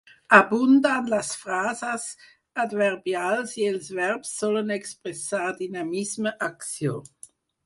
Abunden les frases adverbials i els verbs solen expressar dinamisme, acció.